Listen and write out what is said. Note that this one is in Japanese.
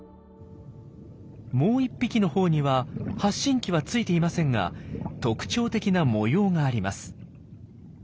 もう１匹のほうには発信器はついていませんが特徴的な模様があります。